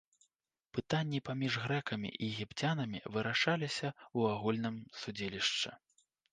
Пытанні паміж грэкамі і егіпцянамі вырашаліся ў агульным судзілішча.